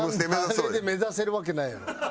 あれで目指せるわけないやろ。